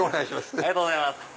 ありがとうございます。